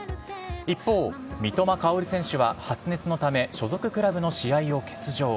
一方、三笘薫選手は発熱のため所属クラブの試合を欠場。